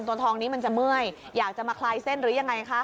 ตัวทองนี้จะเมื่อยอยากจะมาคลายเส้น